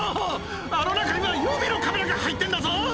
あの中には予備のカメラが入ってんだぞ！